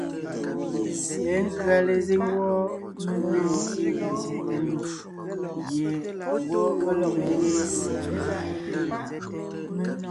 Yɛ̌ nkʉ̀a lezíŋ wɔ́ gẅiin ntí zsyète ndù gie ngwɔ́ mé lɔg ńdiŋe yé.